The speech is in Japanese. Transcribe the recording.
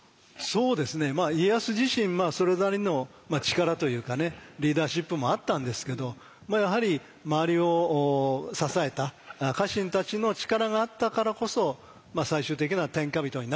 そうですね家康自身それなりの力というかねリーダーシップもあったんですけどやはり周りを支えた家臣たちの力があったからこそ最終的には天下人になれた。